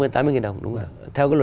vâng sáu mươi tám mươi nghìn đồng đúng rồi